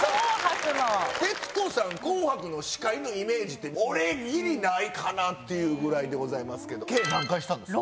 徹子さん。のイメージって俺ギリないかなっていうぐらいでございますけど計何回したんですか？